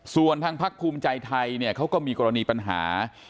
ส่วนทางพรรคภูมิใจไทยก็มีกรณีปัญหา